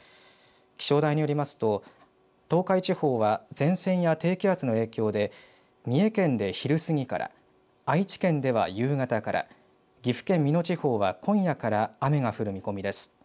気象台によりますと東海地方は前線や低気圧の影響で三重県で昼すぎから愛知県では夕方から岐阜県美濃地方は今夜から雨が降る見込みです。